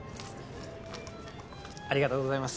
ありがとうございます